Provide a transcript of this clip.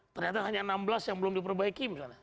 ternyata hanya enam belas yang belum diperbaiki misalnya